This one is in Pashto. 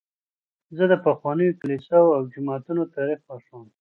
زه د پخوانیو کلیساوو او جوماتونو تاریخ خوښوم.